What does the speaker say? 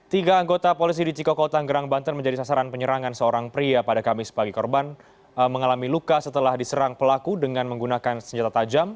tiga anggota polisi di cikokol tanggerang banten menjadi sasaran penyerangan seorang pria pada kamis pagi korban mengalami luka setelah diserang pelaku dengan menggunakan senjata tajam